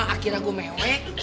akhirnya gue mewek